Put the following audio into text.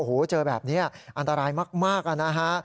โอ้โหเจอแบบนี้อันตรายมากนะฮะ